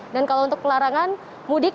dan kalau untuk pelarangan mudik